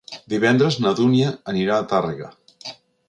Divendres na Dúnia anirà a Tàrrega.